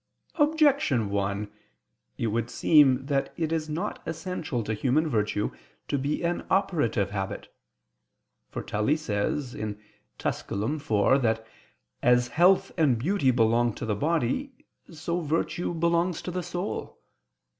Objection 1: It would seem that it is not essential to human virtue to be an operative habit. For Tully says (Tuscul. iv) that as health and beauty belong to the body, so virtue belongs to the soul.